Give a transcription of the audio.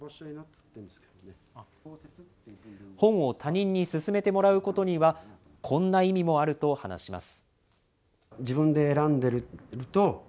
本を他人に薦めてもらうことには、こんな意味もあると話します。